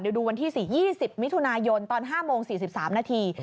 เดี๋ยวดูวันที่๔๒๐มิถุนายนตอน๕โมง๔๓นาที